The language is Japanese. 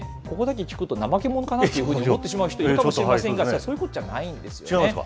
ここだけ聞くと、怠け者かなというふうに思ってしまう人、いるかもしれませんが、そういうことじゃないんですよね。